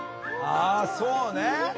あそうね